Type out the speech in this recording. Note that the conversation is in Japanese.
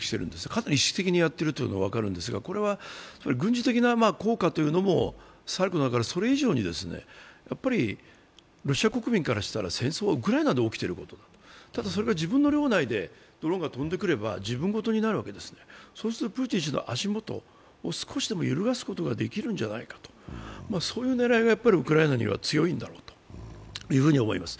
かなり意志的にやっているのが分かるんですがこれは軍事的な効果はさることながら、それ以上に、やはりロシア国民からしたら戦争はウクライナで起きていること、ただそれが自分の領内でドローンが飛んでくれば自分事になるわけですね、そうすると、プーチン氏の足元を少しでも揺るがすことができるんじゃないかという狙いがウクライナには強いんだろうと思います。